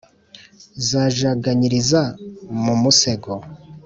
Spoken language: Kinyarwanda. Zajaganyiriza mu musego